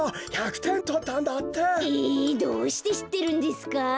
えどうしてしってるんですか？